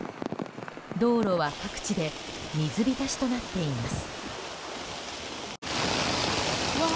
道路は各地で水浸しとなっています。